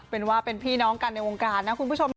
เป็นว่าเป็นพี่น้องกันในวงการนะคุณผู้ชมนะ